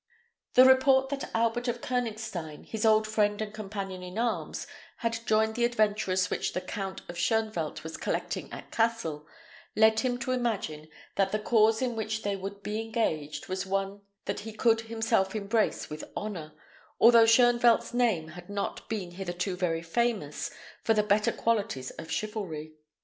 The report that Albert of Koënigstein, his old friend and companion in arms, had joined the adventurers which the Count of Shoenvelt was collecting at Cassel, led him to imagine that the cause in which they would be engaged was one that he could himself embrace with honour, although Shoenvelt's name had not been hitherto very famous for the better qualities of chivalry.